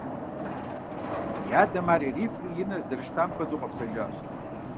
И адэм ар ирифри и нэр зэрыщытам хуэдэу къэплъэжащ.